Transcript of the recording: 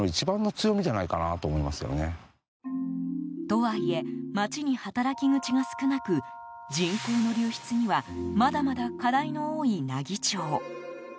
とはいえ、町に働き口が少なく人口の流出にはまだまだ課題の多い奈義町。